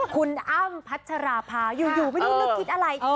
คุณอ้ำพัชราภาอยู่ไม่รู้นึกคิดอะไร